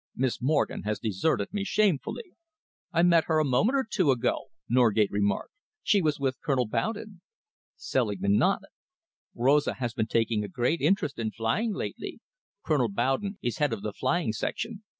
Miss Morgen has deserted me shamefully." "I met her a moment or two ago," Norgate remarked. "She was with Colonel Bowden." Selingman nodded. "Rosa has been taking a great interest in flying lately. Colonel Bowden is head of the Flying Section.